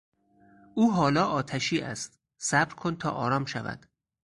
او حالا آتشی است، صبر کن تا آرام شود.